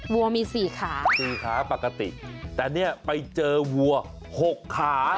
วัวมี๔ขาปกติแต่นี่ไปเจอวัว๖ขา